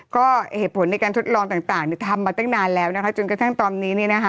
ก็เหตุผลในการทดลองต่างทำมาตั้งนานแล้วจนกระทั่งตอนนี้